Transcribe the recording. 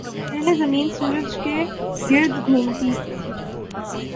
پہلے زمین سورج کے گرد گھومتی تھی۔